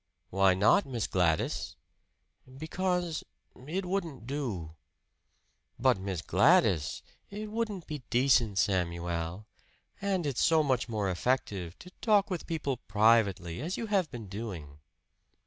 "Why not, Miss Gladys?" "Because it wouldn't do." "But Miss Gladys " "It wouldn't be decent, Samuel. And it's so much more effective to talk with people privately, as you have been doing."